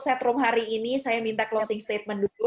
set room hari ini saya minta closing statement dulu